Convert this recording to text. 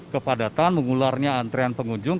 kepadatan mengularnya antrian pengunjung